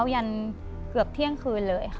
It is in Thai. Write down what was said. ยันเกือบเที่ยงคืนเลยค่ะ